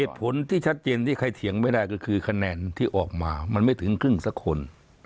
เหตุผลที่ชัดเจนที่ใครเถียงไม่ได้ก็คือคะแนนที่ออกมามันไม่ถึงครึ่งสักคน